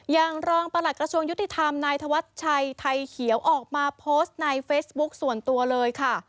อย่างรองประหลัดกระทรวงยุติธรรมนายธวัชชัยไทยเขียวออกมาโพสต์ในเฟซบุ๊คส่วนตัวเลยค่ะ